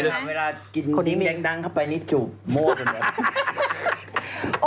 เวลากินนิ่งแดงดังเข้าไปนิดจูบโม่กกว่าเดี๋ยว